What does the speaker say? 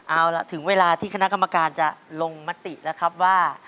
เอาล่ะถึงเวลาที่คณะกรรมการจะลงมติแล้วครับว่า